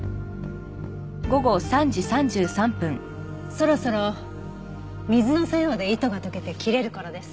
そろそろ水の作用で糸が溶けて切れる頃です。